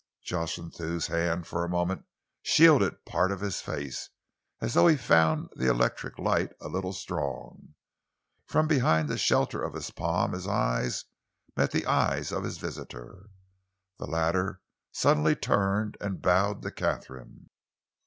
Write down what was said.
Jocelyn Thew's hand for a moment shielded part of his face, as though he found the electric light a little strong. From behind the shelter of his palm his eyes met the eyes of his visitor. The latter suddenly turned and bowed to Katharine.